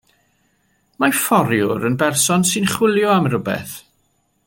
Mae fforiwr yn berson sy'n chwilio am rywbeth.